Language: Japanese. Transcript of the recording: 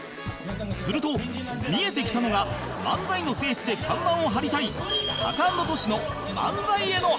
すると見えてきたのは漫才の聖地で看板を張りたいタカアンドトシの漫才への愛